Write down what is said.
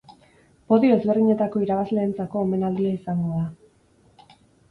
Podio ezberdinetako irabazleentzako omenaldia izango da.